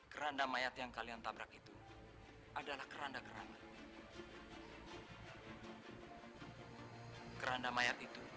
ketika kita berdua kita tidak bisa menemukan keti